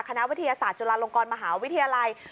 คณะวิทยาศาสตร์จุฬาลงกรมหาวิทยาลัย